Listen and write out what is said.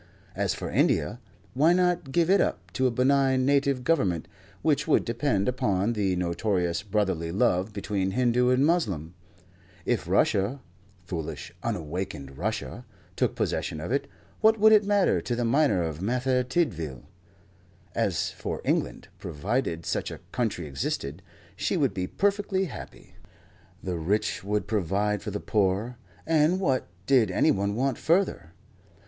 As for India, why not give it up to a benign native government which would depend upon the notorious brotherly love between Hindoo and Mussulman? If Russia, foolish, unawakened Russia, took possession of it, what would it matter to the miner of Merthyr Tydvil? As for England, provided such a country existed, she would be perfectly happy. The rich would provide for the poor and what did anyone want further?